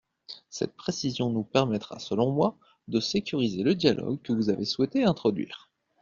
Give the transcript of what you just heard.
Cette précision nous permettra, selon moi, de sécuriser le dialogue que vous avez souhaité introduire.